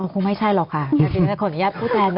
คงไม่ใช่หรอกค่ะขออนุญาตพูดแทน